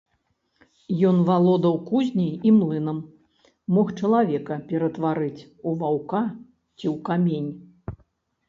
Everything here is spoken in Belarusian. Ён валодаў кузняй і млынам, мог чалавека ператварыць у ваўка ці ў камень.